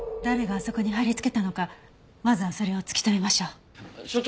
誰があそこに貼り付けたのかまずはそれを突き止めましょう。